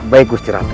baik gusti ratu